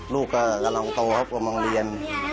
ลูกก็กำลังโตเพราะมองเรียน